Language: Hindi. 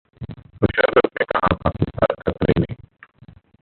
मुशर्रफ ने कहा, पाकिस्तान खतरे में